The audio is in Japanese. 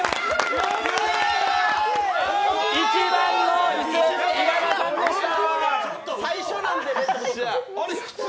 １番の椅子、稲田さんでした！